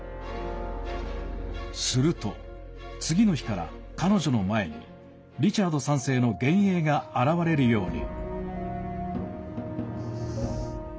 すると、次の日から彼女の前にリチャード３世の幻影が現れるように。